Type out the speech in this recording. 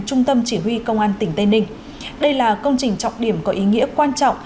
trung tâm chỉ huy công an tỉnh tây ninh đây là công trình trọng điểm có ý nghĩa quan trọng